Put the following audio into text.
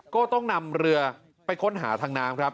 ก็ต้องนำเรือไปค้นหาทางน้ำครับ